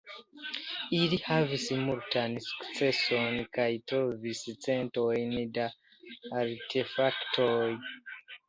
Ili havis multan sukceson kaj trovis centojn da artefaktoj.